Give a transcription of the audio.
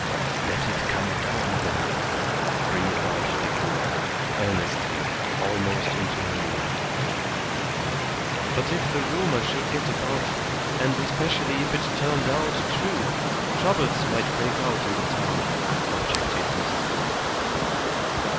"Let it come down, then," breathed out Decoud, earnestly, almost into her ear. "But if the rumour should get about, and especially if it turned out true, troubles might break out in the town," objected Mrs. Gould.